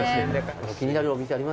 気になるお店あります？